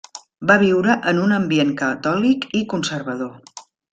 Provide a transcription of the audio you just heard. Va viure en un ambient catòlic i conservador.